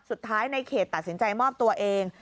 สุดท้ายในเขตตัดสินใจมอบตัวเอง